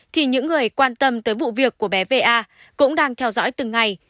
thì những người quan tâm tới vụ việc của bé v a cũng đang theo dõi từng ngày